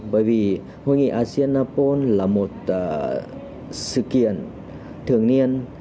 bởi vì hội nghị asean apol là một sự kiện thường niên